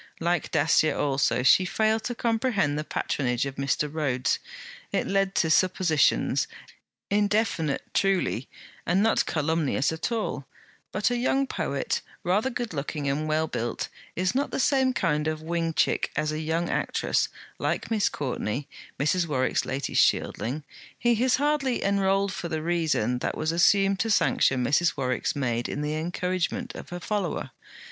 Like Dacier also, she failed to comprehend the patronage of Mr. Rhodes: it led to suppositions; indefinite truly, and not calumnious at all; but a young poet, rather good looking and well built, is not the same kind of wing chick as a young actress, like Miss Courtney Mrs. Warwick's latest shieldling: he is hardly enrolled for the reason that was assumed to sanction Mrs. Warwick's maid in the encouragement of her follower.